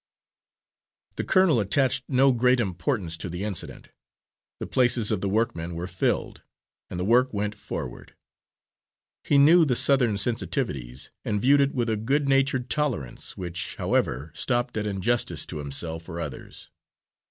The colonel attached no great importance to the incident; the places of the workmen were filled, and the work went forward. He knew the Southern sensitiveness, and viewed it with a good natured tolerance, which, however, stopped at injustice to himself or others.